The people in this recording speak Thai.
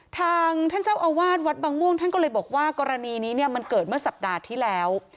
ทางท่านเจ้าอาวาสวัดบางม่วงท่านก็เลยบอกว่ากรณีนี้เนี่ยมันเกิดเมื่อสัปดาห์ที่แล้ว